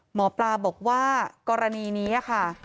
หมอปลาบอกว่ากรณีนี้ค่ะ